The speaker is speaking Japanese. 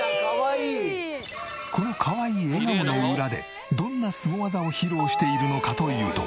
このかわいい笑顔の裏でどんなスゴ技を披露しているのかというと。